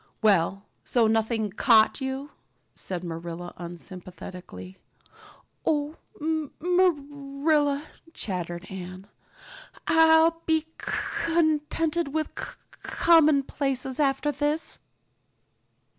"Well, so nothing caught you?" said Marilla unsympathetically. "Oh, Mar Marilla," chattered Anne, "I'll b b be contt tented with c c commonplace places after this."